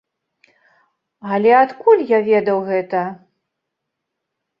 Але адкуль я ведаў гэта?